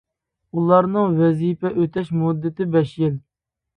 ئۇلارنىڭ ۋەزىپە ئۆتەش مۇددىتى بەش يىل.